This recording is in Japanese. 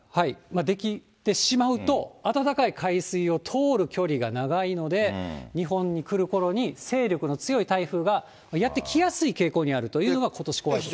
出来てしまうと、暖かい海水を通る距離が長いので、日本に来るころに勢力の強い台風がやって来やすい傾向にあるというのがことし怖いところ。